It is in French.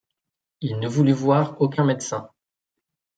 Il ne voulut voir aucun médecin.